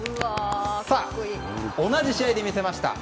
同じ試合で見せました。